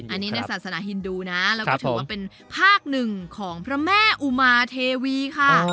อันนี้ในศาสนาฮินดูนะแล้วก็ถือว่าเป็นภาคหนึ่งของพระแม่อุมาเทวีค่ะ